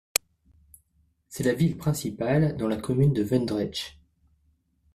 C'est la ville principale dans la commune de Woensdrecht.